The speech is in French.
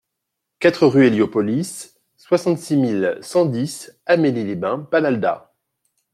quatre rue Héliopolis, soixante-six mille cent dix Amélie-les-Bains-Palalda